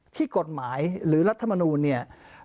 ที่กฎหมายหรือรัฐมนูลเนี่ย